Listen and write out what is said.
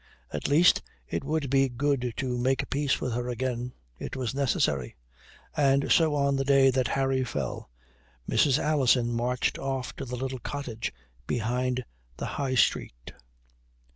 At least, it would be good to make peace with her again; it was necessary. And so on the day that Harry fell, Mrs. Alison marched off to the little cottage behind the High Street.